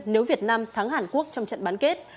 nếu việt nam thắng hàn quốc trong trận bán kết